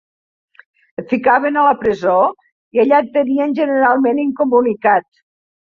Et ficaven a la presó i allà et tenien, generalment incomunicat